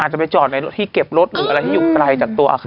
จะไปจอดในที่เก็บรถหรืออะไรที่อยู่ไกลจากตัวอาคาร